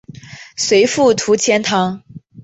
随父徙钱塘。